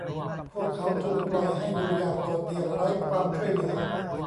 พวกเขาถูกปล่อยให้อยู่อย่างโดดเดี่ยวไร้ความช่วยเหลือ